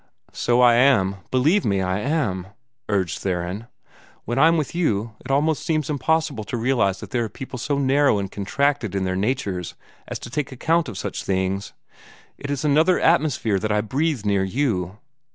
"So I am! Believe me, I am!" urged Theron. "When I'm with you, it seems impossible to realize that there are people so narrow and contracted in their natures as to take account of such things. It is another atmosphere that I breathe near you.